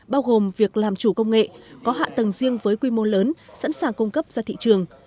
bao gồm việc làm chủ công nghệ có hạ tầng riêng với quy mô lớn sẵn sàng cung cấp ra thị trường